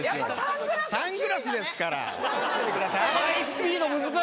サングラスですから気を付けてください。